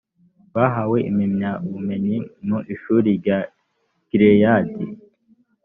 bahawe impamyabumenyi mu ishuri rya gileyadi.